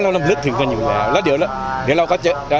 อ๋อเรารำลึกถึงกันอยู่เอาแล้วเดี๋ยวแล้วเหนื่อยเราก็จะ